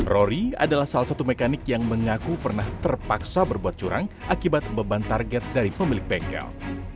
rory adalah salah satu mekanik yang mengaku pernah terpaksa berbuat curang akibat beban target dari pemilik bengkel